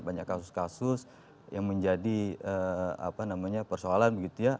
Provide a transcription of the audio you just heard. banyak kasus kasus yang menjadi persoalan begitu ya